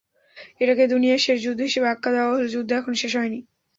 এটাকে দুনিয়ার শেষ যুদ্ধ হিসেবে আখ্যা দেওয়া হলেও যুদ্ধ এখনো শেষ হয়নি।